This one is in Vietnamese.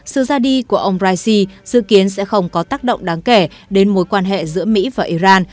vụ tai nạn của ông raisi dự kiến sẽ không có tác động đáng kể đến mối quan hệ giữa mỹ và iran